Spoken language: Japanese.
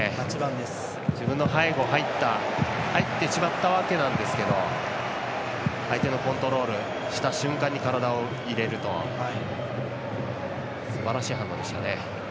自分の背後に入ってしまったわけですけど相手のコントロールした瞬間に体を入れるとすばらしい反応でしたね。